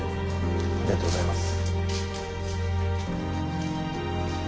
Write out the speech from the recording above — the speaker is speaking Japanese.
ありがとうございます。